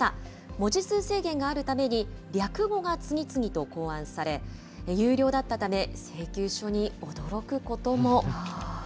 文字数制限があるために、略語が次々と考案され、有料だったため、請求書に驚くことも。